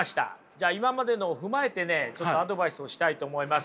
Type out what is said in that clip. じゃあ今までのを踏まえてねアドバイスをしたいと思います。